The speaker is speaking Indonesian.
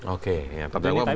oke ya terdakwa sebentar lagi